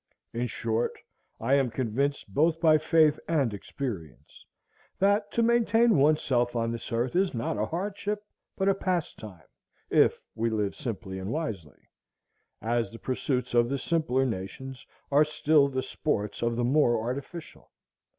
In short, I am convinced, both by faith and experience, that to maintain one's self on this earth is not a hardship but a pastime, if we will live simply and wisely; as the pursuits of the simpler nations are still the sports of the more artificial.